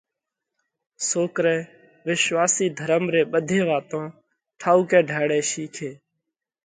سوڪرئہ وِشواسِي ڌرم ري ٻڌي واتون ٺائُوڪئہ ڍاۯئہ شِيکي